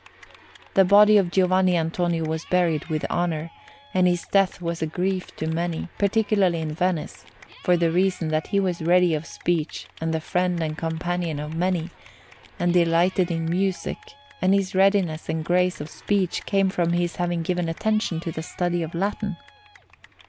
The body of Giovanni Antonio was buried with honour, and his death was a grief to many, particularly in Venice, for the reason that he was ready of speech and the friend and companion of many, and delighted in music; and his readiness and grace of speech came from his having given attention to the study of Latin.